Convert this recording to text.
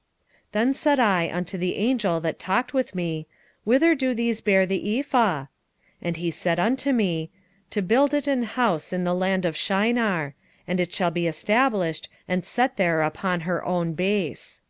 5:10 Then said I to the angel that talked with me, Whither do these bear the ephah? 5:11 And he said unto me, To build it an house in the land of Shinar: and it shall be established, and set there upon her own base.